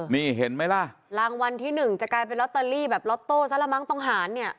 นี่เห็นไหมล่ะรางวัลที่หนึ่งจะกลายเป็นลอตเตอรี่แบบล็อตโต้ซะละมั้งต้องหารเนี่ย